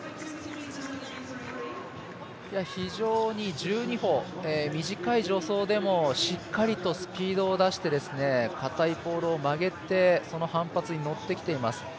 非常に１２歩、短い助走でもしっかりとスピードを出して硬いポールを曲げてその反発にのってきています。